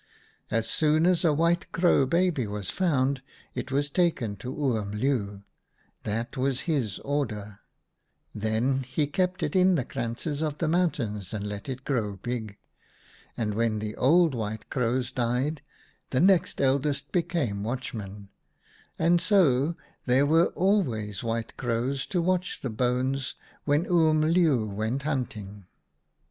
As soon as a white crow baby was found it was taken to Oom Leeuw — that was his order ; then he kept it in the krantzes of the mountains and let it grow big ; and when the old White Crows died the next eldest became watchmen, and so there were always White Crows to watch the bones when Oom Leeuw went hunting.